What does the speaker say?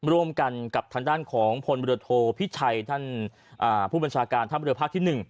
รวมกันกับทางด้านของผลบริโดยโทษพิชัยท่านผู้บัญชาการท่านบริโดยภาคที่๑